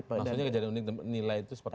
maksudnya kejadian unik nilai itu seperti apa